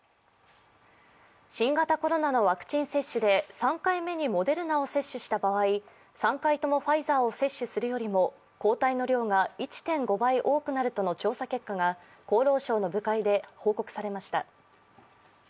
新型コロナのワクチン接種で３回目にモデルナを接種した場合、３回ともファイザーを接種するよりも抗体の量が１．５倍多くなるとの調査結果が厚労省の部会で報告されました。